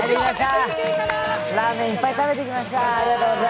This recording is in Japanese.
ラーメンいっぱい食べてきました。